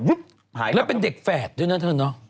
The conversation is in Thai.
แล้วเป็นเด็กแฝดด้วยนะเธอเนอะ